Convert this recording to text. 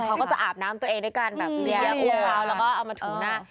เค้าก็จะอาบน้ำตัวเองได้การแบบเลี่ยบผูคราวแล้วก็เอามาถูกหน้า